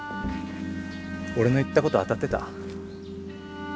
俺の言ったこと当たってた？